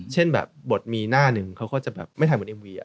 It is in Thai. เช่นแบบบทมีหน้าหนึ่งเขาก็จะแบบไม่ทำเหมือนเอ็มวี